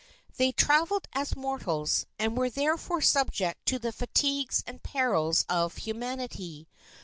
They traveled as mortals, and were therefore subject to the fatigues and perils of humanity.